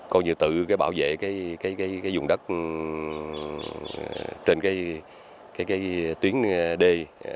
coi như tự bảo vệ cái dùng đất trên cái tuyến đê